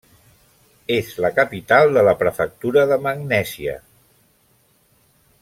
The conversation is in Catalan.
És la capital de la prefectura de Magnèsia.